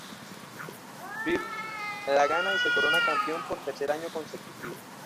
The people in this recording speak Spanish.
Priaulx la gana y se corona campeón por tercer año consecutivo.